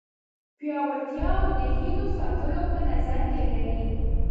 پیاوړتیا او د هیلو د ساتلو په نظر کې لري.